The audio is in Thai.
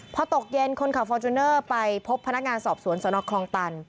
พอตกเย็นคนขับฟอร์จูเนอร์ไปพบพนักงานสอบสวนสนคลองตัน